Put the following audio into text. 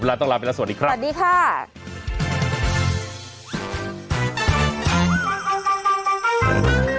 พร้อมพลังต้องลาไปแล้วสวัสดีครับสวัสดีค่ะสวัสดีค่ะ